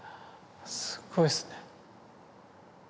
すごいですね。